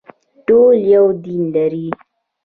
ټول یو دین لري